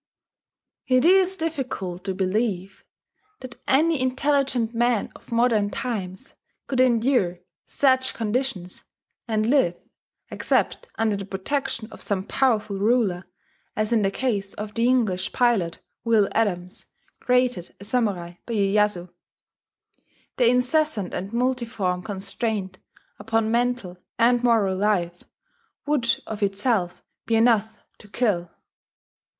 It is difficult to believe that any intelligent man of modern times could endure such conditions and live (except under the protection of some powerful ruler, as in the case of the English pilot Will Adams, created a samurai by Iyeyasu): the incessant and multiform constraint upon mental and moral life would of itself be enough to kill....